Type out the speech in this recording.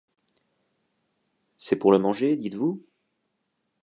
C’est pour le manger, dites-vous.